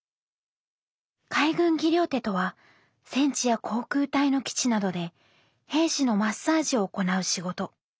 海軍技療手とは戦地や航空隊の基地などで兵士のマッサージを行う仕事。